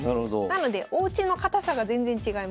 なのでおうちの堅さが全然違います。